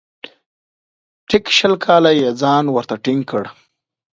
ټیک شل کاله یې ځان ورته ټینګ کړ .